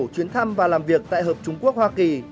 chuyến thăm và làm việc tại hợp trung quốc hoa kỳ